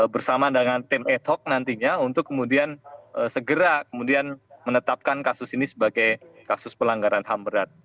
bersama dengan tim ad hoc nantinya untuk kemudian segera kemudian menetapkan kasus ini sebagai kasus pelanggaran ham berat